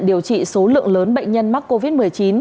điều trị số lượng lớn bệnh nhân mắc covid một mươi chín